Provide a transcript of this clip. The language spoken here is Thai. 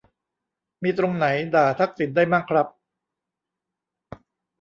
มีตรงไหนด่าทักษิณได้มั่งครับ